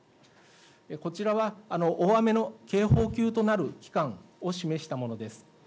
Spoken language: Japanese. こちらは大雨の警報級となる期間を示したものです。